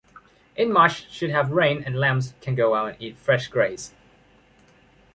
In March should have rained and lambs can go out and eat fresh graze.